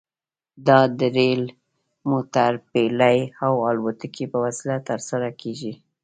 دا د ریل، موټر، بېړۍ او الوتکې په وسیله ترسره کیږي.